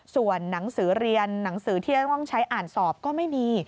ส่วนหนังสือเรียนหนังสือที่จะต้องใช้อ่านสอบก็ไม่มี